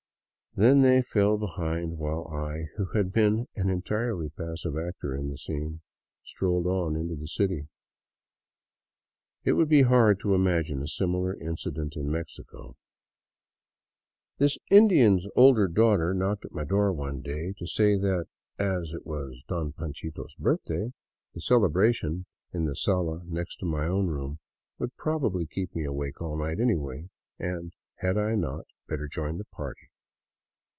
Then they fell behind, while I, who had been an entirely passive actor in all the scene, strolled on into the city. It would be hard to imagine a similar incident in Mexico. This Indian's older daughter knocked at my door one day to say that, as it was " Don Panchito's " birthday, the celebration in the sala next my own room would probably keep me awake all night anyway, and had I not better join the party.